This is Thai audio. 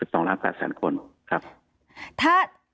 ต้องจะครบ๑๒๘๐๐๐๐๐คน